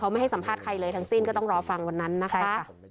ไม่ให้สัมภาษณ์ใครเลยทั้งสิ้นก็ต้องรอฟังวันนั้นนะคะ